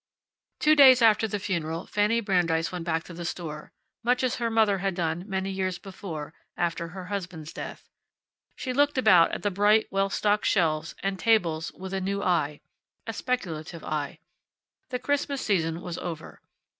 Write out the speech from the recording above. Two days after the funeral Fanny Brandeis went back to the store, much as her mother had done many years before, after her husband's death. She looked about at the bright, well stocked shelves and tables with a new eye a speculative eye. The Christmas season was over.